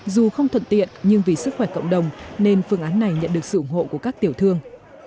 dù không thuận tiện nhưng vì sức khỏe cộng đồng nên phương án này nhận được sự ủng hộ của các tiểu thương